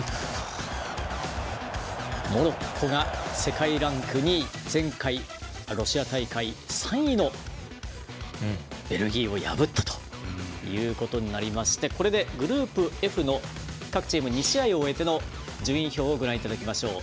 モロッコが世界ランク２位前回ロシア大会３位のベルギーを破ったということになりましてこれでグループＦの各チーム２試合を終えての順位表をご覧いただきましょう。